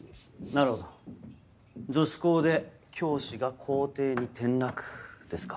なるほど女子校で教師が校庭に転落ですか。